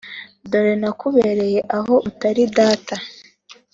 dore nakubereye aho utari data,